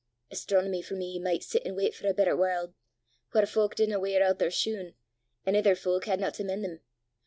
Astronomy for me micht sit an' wait for a better warl', whaur fowk didna weir oot their shune, an' ither fowk hadna to men' them.